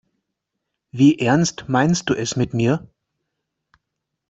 Wie ernst meinst du es mit mir?